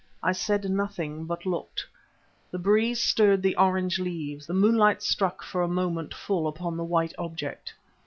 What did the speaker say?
I said nothing, but looked. The breeze stirred the orange leaves, the moonlight struck for a moment full upon the white object.